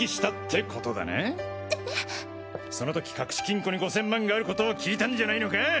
その時隠し金庫に５０００万があることを聞いたんじゃないのか。